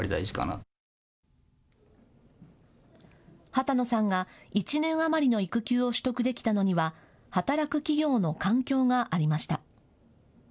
羽田野さんが１年余りの育休を取得できたのには働く企業の環境がありました。